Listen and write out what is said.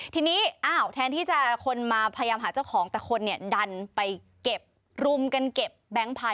ทีนี้อ้าวแทนที่จะคนมาพยายามหาเจ้าของแต่คนเนี่ยดันไปเก็บรุมกันเก็บแบงค์พันธ